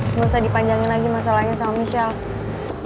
nggak usah dipanjangin lagi masalahnya sama michelle